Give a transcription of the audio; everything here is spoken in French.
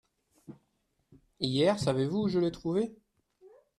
Hier, savez-vous où je l’ai trouvé ?